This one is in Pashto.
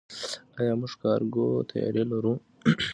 آیا موږ کارګو طیارې لرو؟